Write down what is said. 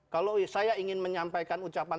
kalau saya ingin menyampaikan ucapan